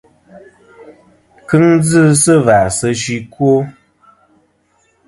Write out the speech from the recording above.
Kɨŋ dzɨ sɨ và sɨ fsi ɨkwo.